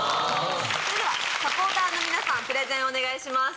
それではサポーターの皆さんプレゼンお願いします。